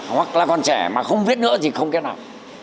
hoặc là còn trẻ mà không viết nữa thì không kết nạp